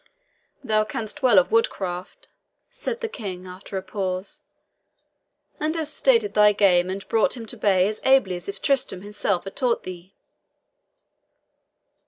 "Thou canst well of woodcraft," said the King, after a pause, "and hast started thy game and brought him to bay as ably as if Tristrem himself had taught thee.